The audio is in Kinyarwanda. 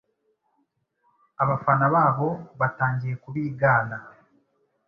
Abafana babo batangiye kubigana